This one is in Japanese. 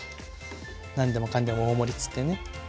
何でもかんでも大盛りっつってね。